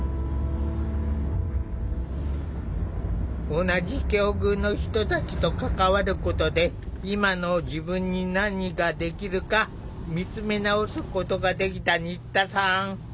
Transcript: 同じ境遇の人たちと関わることで今の自分に何ができるか見つめ直すことができた新田さん。